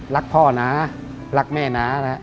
รักพ่อนะรักแม่นะ